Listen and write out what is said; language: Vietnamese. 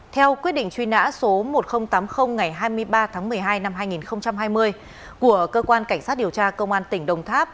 theo quyết định truy nã số một nghìn tám mươi ngày hai mươi ba tháng một mươi hai năm hai nghìn hai mươi của cơ quan cảnh sát điều tra công an tỉnh đồng tháp